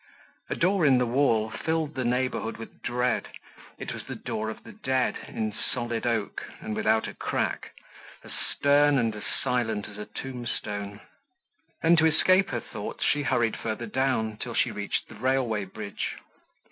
A door in the wall filled the neighborhood with dread; it was the door of the dead in solid oak, and without a crack, as stern and as silent as a tombstone. Then to escape her thoughts, she hurried further down till she reached the railway bridge.